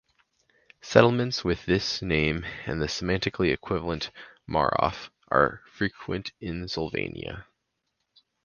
Settlements with this name and the semantically equivalent "Marof" are frequent in Slovenia.